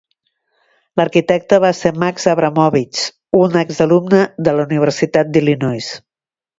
L'arquitecte va ser Max Abramovitz, un exalumne de la Universitat d'Illinois.